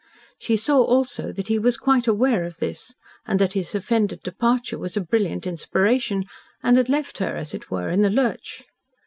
She saw also that he was quite aware of this, and that his offended departure was a brilliant inspiration, and had left her, as it were, in the lurch.